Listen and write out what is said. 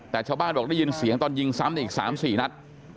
แต่ชาวบ้านบอกได้ยินเสียงตอนยิงซ้ำอีก๓๔นัด